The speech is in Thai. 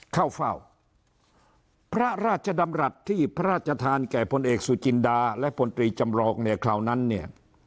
เข้าเฝ้าพระราชดำรัฐที่พระราชทานแก่พลเอกสุจินดาและพลตรีจำลองเนี่ยคราวนั้นเนี่ย